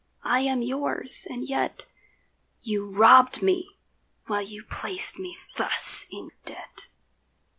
I am yours: and yet You robbed me while you placed me thus in debt.